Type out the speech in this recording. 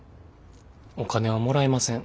お金はもらいません。